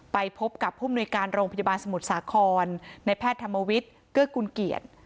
ไปพบกับผู้มนุยการโรงพยาบาลสมุทรสาครในแพทย์ธรรมวิทย์เกื้อกุลเกียรติ